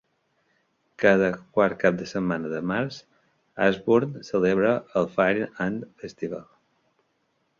Cada quart cap de setmana de març, Ashburn celebra el Fire Ant Festival.